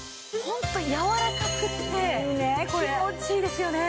ホントやわらかくって気持ちいいですよね。